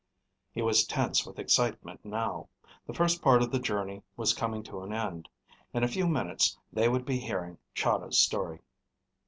He was tense with excitement now. The first part of the journey was coming to an end. In a few minutes they would be hearing Chahda's story.